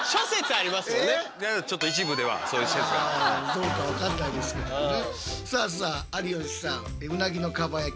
どうか分かんないですけどね。